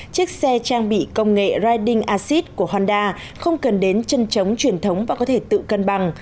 chiếc xe trang bị công nghệ ridin acid của honda không cần đến chân trống truyền thống và có thể tự cân bằng